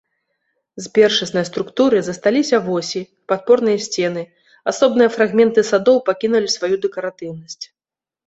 З першаснай структуры засталіся восі, падпорныя сцены, асобныя фрагменты садоў пакінулі сваю дэкаратыўнасць.